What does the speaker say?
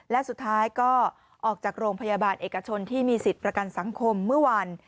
และสุดท้ายก็ออกจากโรงพยาบาลเอกชนที่มีสิทธิ์ประกันสังคมเมื่อวัน